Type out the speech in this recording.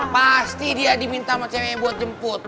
pasti dia diminta sama ceweknya buat jemput